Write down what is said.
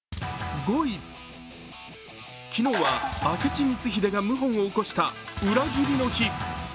昨日は明智光秀が謀反を起こした裏切りの日。